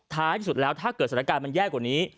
ท้ายที่สุดแล้วถ้าเกิดสถานการณ์มันแย่กว่านี้